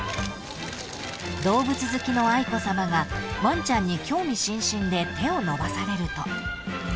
［動物好きの愛子さまがワンちゃんに興味津々で手を伸ばされると］